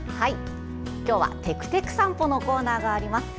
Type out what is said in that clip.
今日は「てくてく散歩」のコーナーがあります。